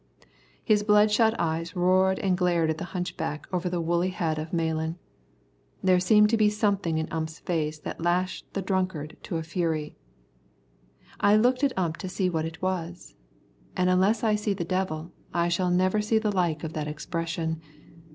His bloodshot eyes rolled and glared at the hunchback over the woolly head of Malan. There seemed to be something in Ump's face that lashed the drunkard to a fury. I looked at Ump to see what it was, and unless I see the devil, I shall never see the like of that expression.